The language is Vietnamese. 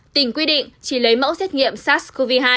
tỉnh quy định chỉ lấy mẫu xét nghiệm sars cov hai